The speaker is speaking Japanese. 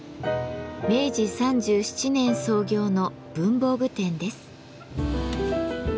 明治３７年創業の文房具店です。